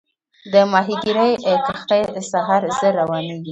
د ماهیګیري کښتۍ سهار زر روانېږي.